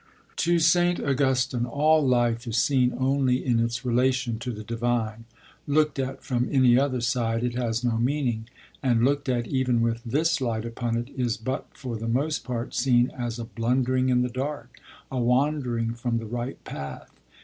To St. Augustine all life is seen only in its relation to the divine; looked at from any other side, it has no meaning, and, looked at even with this light upon it, is but for the most part seen as a blundering in the dark, a wandering from the right path.